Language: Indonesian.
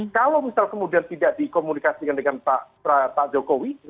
kalau misal kemudian tidak dikomunikasikan dengan pak jokowi